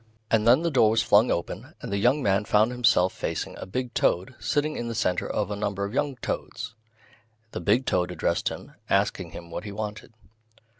And then the door was flung open, and the young man found himself facing a big toad sitting in the centre of a number of young toads. The big toad addressed him, asking him what he wanted.